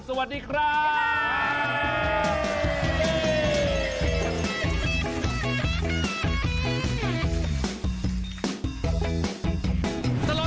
สวัสดีครับ